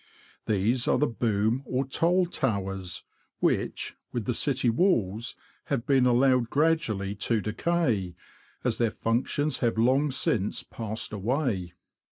These are the Boom or Toll Towers, which, with the city walls, have been allowed gradually to decay, as their functions have long since passed away.